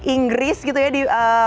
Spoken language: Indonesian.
inggris gitu ya di